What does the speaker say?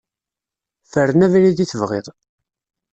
Fren abrid i tebɣiḍ.